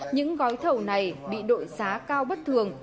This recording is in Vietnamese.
những gói thầu này bị đội giá cao bất thường